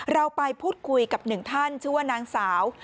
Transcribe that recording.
เราไปพูดคุยกับหนึ่งท่านชื่อว่านางสาว